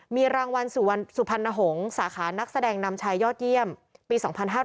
มีรางวัลสุพรรณหงษ์สาขานักแสดงนำชายยอดเยี่ยมปี๒๕๕๙